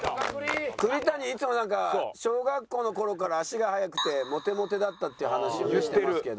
栗谷いつもなんか小学校の頃から足が速くてモテモテだったっていう話をしてますけど。